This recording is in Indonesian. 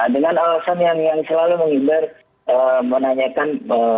dengan alasan yang selalu menghimbar menanyakan